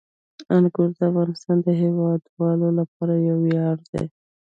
انګور د افغانستان د هیوادوالو لپاره یو ویاړ دی.